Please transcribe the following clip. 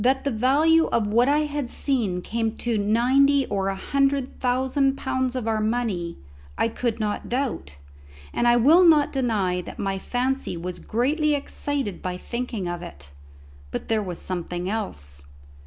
That the value of what I had seen came to ninety or a hundred thousand pounds of our money I could not doubt; and I will not deny that my fancy was greatly excited by thinking of it. But there was something else.